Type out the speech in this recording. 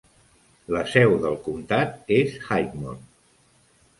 La seu del comtat és Highmore.